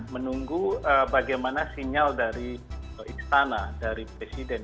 menunggu bagaimana sinyal dari istana dari presiden